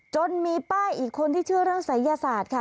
จนมีป้าอีกคนที่เชื่อเรื่องศัยยศาสตร์ค่ะ